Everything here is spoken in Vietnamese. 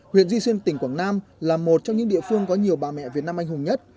huyện duy xuyên tỉnh quảng nam là một trong những địa phương có nhiều bà mẹ việt nam anh hùng nhất